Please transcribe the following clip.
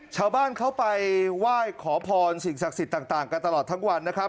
ชาวบ้านเขาไปไหว้ขอพรสิ่งศักดิ์สิทธิ์ต่างกันตลอดทั้งวันนะครับ